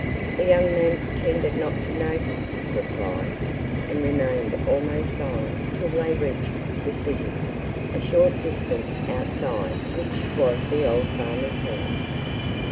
The young man pretended not to notice his reply, and remained almost silent till they reached the city, a short distance outside which was the old farmer's house.